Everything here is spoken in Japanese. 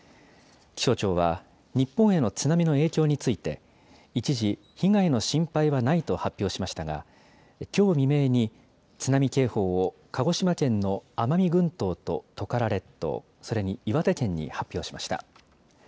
気象庁は、日本への津波の影響について、一時、被害の心配はないと発表しましたが、きょう未明に津波警報を鹿児島県の奄美群島とトカラ列島、それに岩手県に発表しました。